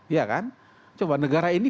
ya kan coba negara ini